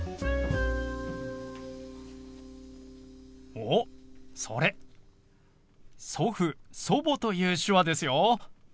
おっそれ「祖父」「祖母」という手話ですよ。